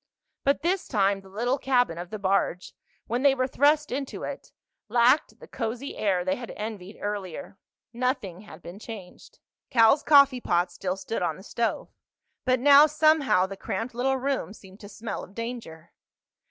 But this time the little cabin of the barge, when they were thrust into it, lacked the cozy air they had envied earlier. Nothing had been changed. Cal's coffeepot still stood on the stove. But now, somehow, the cramped little room seemed to smell of danger.